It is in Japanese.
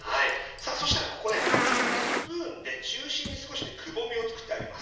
さあそしたらここねスプーンで中心に少しねくぼみをつくってあげます。